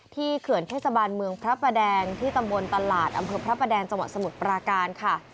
เขื่อนเทศบาลเมืองพระประแดงที่ตำบลตลาดอำเภอพระประแดงจังหวัดสมุทรปราการค่ะ